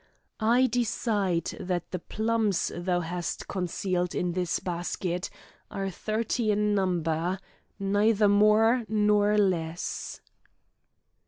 I decide that the plums thou hast concealed in the basket are thirty in number, neither more nor less."